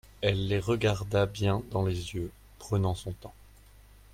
Elle les regarda bien dans les yeux, prenant son temps.